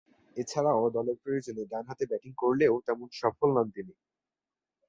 এছাড়াও দলের প্রয়োজনে ডানহাতে ব্যাটিং করলেও তেমন সফল নন তিনি।